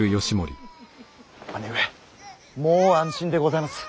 姉上もう安心でございます。